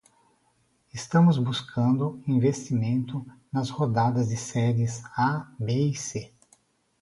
Estamos buscando investimento nas rodadas de Series A, B e C.